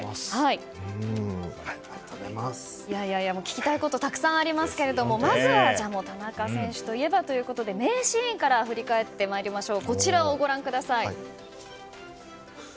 聞きたいことがたくさんありますがまずは田中選手といえばということで名シーンから振り返ってまいりましょう。